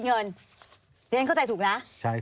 ปีอาทิตย์ห้ามีสปีอาทิตย์ห้ามีส